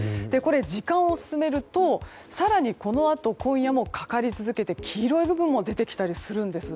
時間を進めると、更にこのあと今夜もかかり続けて、黄色い部分も出てきたりするんです。